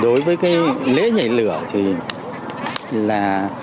đối với cái lễ nhảy lửa thì là